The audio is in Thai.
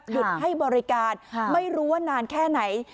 หยุดให้บริการไม่รู้ว่านานแค่ไหน